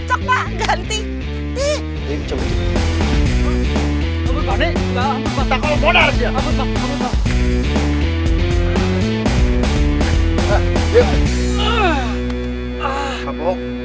ambil pak ambil pak